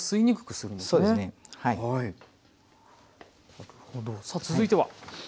なるほどさあ続いては。